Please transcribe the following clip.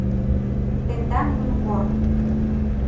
Тендан юнкор».